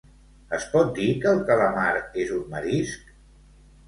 es pot dir que el calamar és un marisc